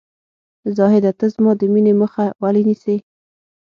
زاهده ! ته زما د مینې مخه ولې نیسې ؟